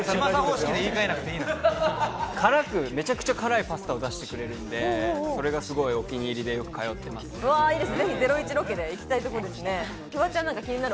めちゃくちゃ辛いパスタを出してくれるので、それがお気に入りでよく通っています。